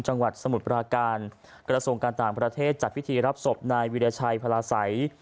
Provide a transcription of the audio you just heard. จังหวัดสมุทรประหการกรสมการต่างประเทศจัดพิธีรับศพนายวีรชัยพระราชัย